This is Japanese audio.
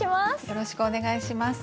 よろしくお願いします。